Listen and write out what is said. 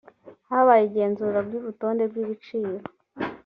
habaye igenzura ry ‘urutonde rw’ ibiciro